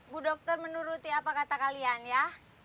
bu dokter menuruti apa kata kalian ya